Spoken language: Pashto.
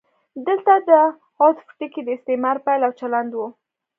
دلته د عطف ټکی د استعمار پیل او د چلند و.